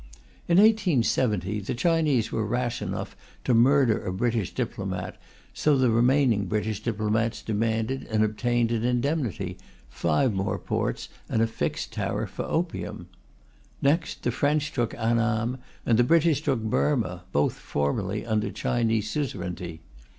In 1870, the Chinese were rash enough to murder a British diplomat, so the remaining British diplomats demanded and obtained an indemnity, five more ports, and a fixed tariff for opium. Next, the French took Annam and the British took Burma, both formerly under Chinese suzerainty.